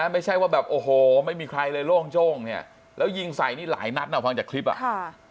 ไม่ใช่ว่าแบบโอ้โหไม่มีใครเลยโล่งโจ้งเนี่ยแล้วยิงใส่นี่หลายนัดอ่ะฟังจากคลิปอ่ะค่ะ